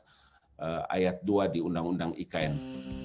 pakar hukum tata negara yang diinginkan untuk mengubah kesehatan negara